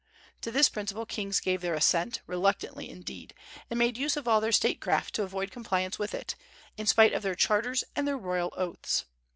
To this principle kings gave their assent, reluctantly indeed, and made use of all their statecraft to avoid compliance with it, in spite of their charters and their royal oaths.